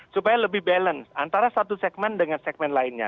supaya lebih balance antara satu segmen dengan segmen lainnya